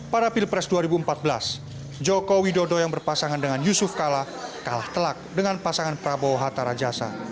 pada pilpres dua ribu empat belas joko widodo yang berpasangan dengan yusuf kala kalah telak dengan pasangan prabowo hatta rajasa